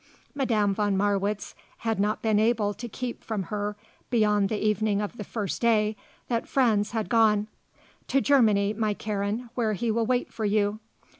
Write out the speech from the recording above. Madame von Marwitz had not been able to keep from her beyond the evening of the first day that Franz had gone. "To Germany, my Karen, where he will wait for you."